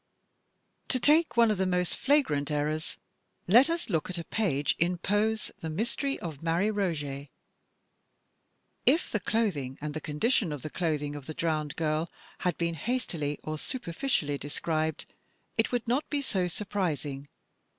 To take one of the most flagrant errors, let us look at a page in Poe's "The Mystery of Marie Roget." If the clothing and the condition of the clothing of the drowned girl had been hastily or superficially described, it would not be so surprising.